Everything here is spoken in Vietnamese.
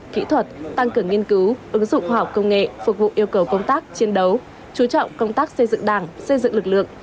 kỹ thuật tăng cường nghiên cứu ứng dụng khoa học công nghệ phục vụ yêu cầu công tác chiến đấu chú trọng công tác xây dựng đảng xây dựng lực lượng